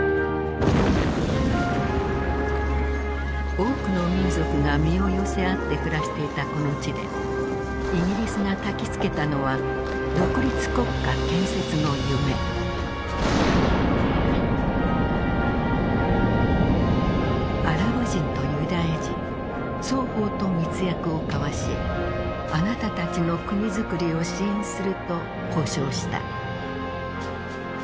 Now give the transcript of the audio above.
多くの民族が身を寄せ合って暮らしていたこの地でイギリスが焚きつけたのはアラブ人とユダヤ人双方と密約を交わしあなたたちの国づくりを支援すると保証した。